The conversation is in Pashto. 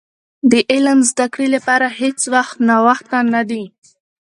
د علم زدي کړي لپاره هيڅ وخت ناوخته نه دي .